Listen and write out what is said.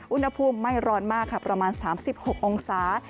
อุณหภูมิไม่ร้อนมากค่ะประมาณ๓๖องศา